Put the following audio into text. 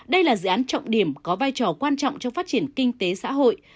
đây là dự án trọng điểm có vai trò quan trọng trong phát triển kinh tế xã hội